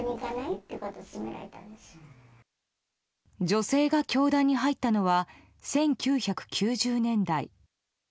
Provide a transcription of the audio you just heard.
女性が教団に入ったのは１９９０年代。